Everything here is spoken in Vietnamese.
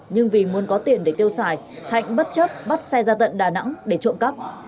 nhưng vì muốn có tiền để tiêu xài thạnh bất chấp bắt xe ra tận đà nẵng để trộm cắp